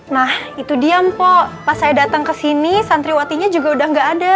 nah itu dia mpo pas saya datang ke sini santriwatinya juga udah gak ada